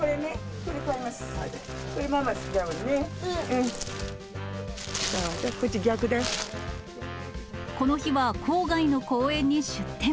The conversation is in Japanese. どうぞ、この日は郊外の公園に出店。